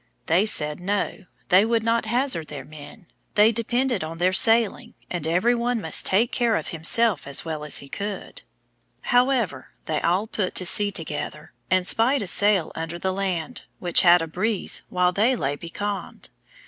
They said no, they would not hazard their men, they depended on their sailing, and every one must take care of himself as well as he could. [Illustration: The Pirate Banister, hanging at the Yard Arm.] However, they all put to sea together, and spied a sail under the land, which had a breeze while they lay becalmed.